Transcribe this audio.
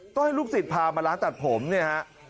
ต้องให้ลูกสิศพามาล้านตัดผมเนี่ย